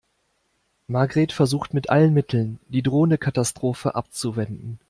Margret versucht mit allen Mitteln, die drohende Katastrophe abzuwenden.